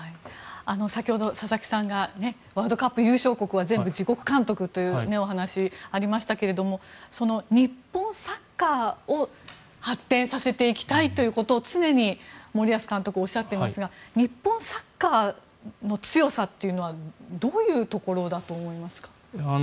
先ほど、佐々木さんがワールドカップ優勝国は全部、自国監督というお話ありましたが日本サッカーを発展させていきたいということを常に森保監督、おっしゃっていますが日本サッカーの強さというのはどういうところだと思いますか。